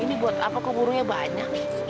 ini buat apa kok burungnya banyak